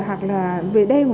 hoặc là bất cứ lúc nào